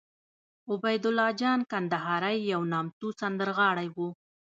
عبیدالله جان کندهاری یو نامتو سندرغاړی وو